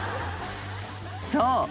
［そう。